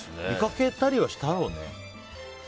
見かけたりはしたろうね。